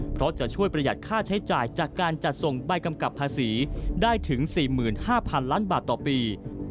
เพราะจะช่วยประหยัดค่าใช้จ่ายจากการจัดส่งใบกำกับภาษีได้ถึง๔๕๐๐๐ล้านบาทต่อปี